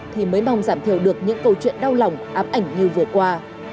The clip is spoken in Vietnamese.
thì mới mong giảm thiểu được những câu chuyện đau lòng ám ảnh như vừa qua